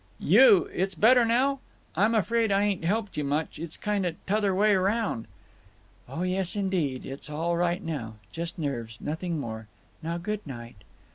"You—It's better now? I'm afraid I ain't helped you much. It's kinda t' other way round." "Oh yes, indeed, it's all right now! Just nerves. Nothing more. Now, good night."